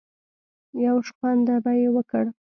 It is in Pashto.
يو شخوند به يې وکړ.